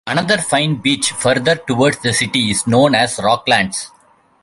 Another fine beach further towards the city is known as Rocklands.